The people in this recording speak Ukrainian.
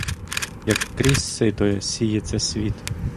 Як крізь сито сіється світ.